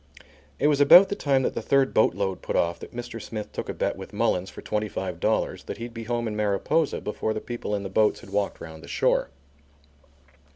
It was about the time that the third boat load put off that Mr. Smith took a bet with Mullins for twenty five dollars, that he'd be home in Mariposa before the people in the boats had walked round the shore.